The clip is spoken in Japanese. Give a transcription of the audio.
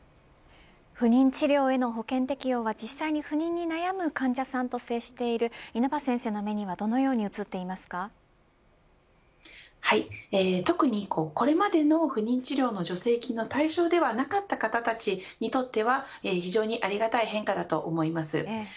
不妊治療への保険適用は実際に不妊に悩む患者さんと接している稲葉先生の目には特にこれまでの不妊治療の助成金の対象ではなかった方たちにとっては非常にありがたい変化だと思います。